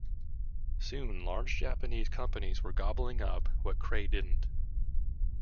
Soon large Japanese companies were gobbling up what Cray didn't.